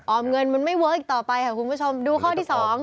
เงินมันไม่เวิร์คอีกต่อไปค่ะคุณผู้ชมดูข้อที่สอง